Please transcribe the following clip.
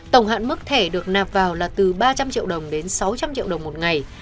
tổng hạn mức thẻ được nạp vào là từ ba trăm linh triệu đồng đến sáu trăm linh triệu đồng một ngày